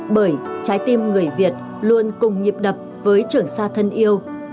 bởi trái tim người việt luôn cùng nhịp đập với trường sa thân yêu